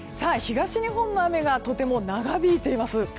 東日本の雨がとても長引いています。